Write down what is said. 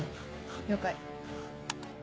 了解。